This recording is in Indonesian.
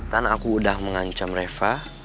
dan aku udah mengancam reva